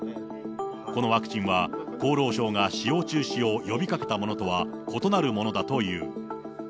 このワクチンは、厚労省が使用中止を呼びかけたものとは異なるものだという。